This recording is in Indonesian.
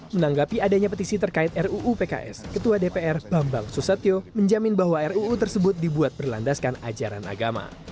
menanggapi adanya petisi terkait ru upks ketua dpr bambang susatyo menjamin bahwa ru u tersebut dibuat berlandaskan ajaran agama